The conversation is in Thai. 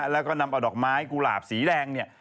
แล้วก็นำเอาดอกไม้กุหลาบสีแดงเนี่ย